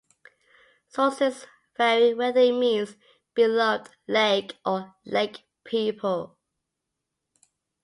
Sources vary whether it means "beloved lake" or "lake people".